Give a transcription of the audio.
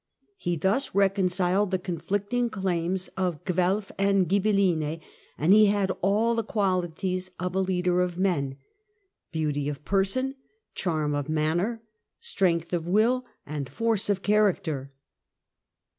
He thus reconciled the conflicting claims of Guelf and Ghibeline, and he had all the qualities of a leader of men, beauty of person, charm of manner, strength of will, and force of character.